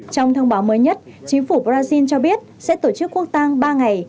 trong thông báo mới nhất chính phủ brazil cho biết sẽ tổ chức quốc tang ba ngày